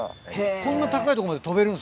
こんな高い所まで飛べるんですか。